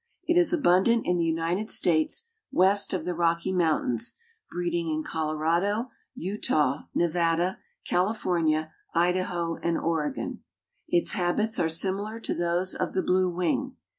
It is abundant in the United States west of the Rocky Mountains, breeding in Colorado, Utah, Nevada, California, Idaho, and Oregon. Its habits are similar to those of the blue wing.